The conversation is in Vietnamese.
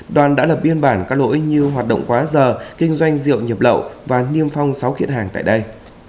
đoàn đã lập biên bản các lỗi như hoạt động quá giờ kinh doanh rượu nhập lậu và niêm phong sáu kiện hàng tại đây